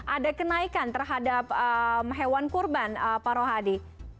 ada kenaikan terhadap hewan kurban pak rohadi